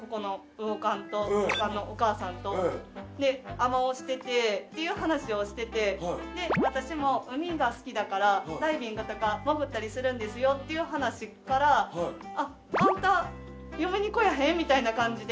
「魚勘」のお母さんと。で海女をしててっていう話をしててで私も海が好きだからダイビングとか潜ったりするんですよっていう話から「あっあんた嫁に来やへん？」みたいな感じで。